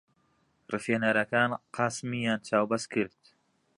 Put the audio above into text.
ڕفێنەرەکان قاسمیان چاوبەست کرد.